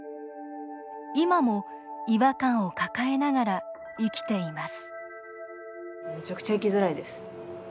今も違和感を抱えながら生きています